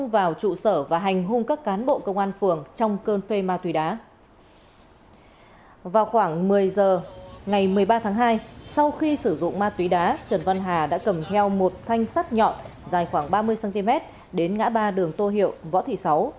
vào khoảng một mươi h ngày một mươi ba tháng hai sau khi sử dụng ma túy đá trần văn hà đã cầm theo một thanh sắt nhọn dài khoảng ba mươi cm đến ngã ba đường tô hiệu võ thị sáu